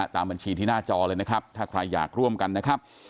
ตามบัญชีที่หน้าจอเลยนะครับถ้าใครอยากร่วมกันนะครับ